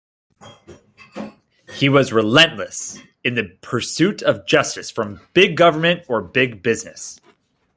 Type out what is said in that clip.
He was relentless in the pursuit of justice from big government or big business.